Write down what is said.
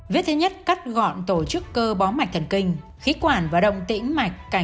vết thứ nhất cắt gọn tổ chức cơ bó mạch thần kinh khí quản và đồng tĩnh mạch cảnh trái